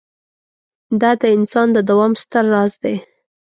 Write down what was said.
دا د انسان د دوام ستر راز دی.